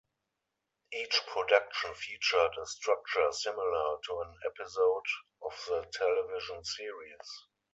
Each production featured a structure similar to an episode of the television series.